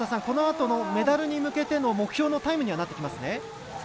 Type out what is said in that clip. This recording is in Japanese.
このあとメダルに向けての目標のタイムになりますね。